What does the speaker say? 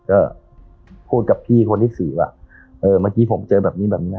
ก็พูดกับพี่คนที่สื่อว่าเออเมื่อกี้ผมเจอแบบนี้แบบนี้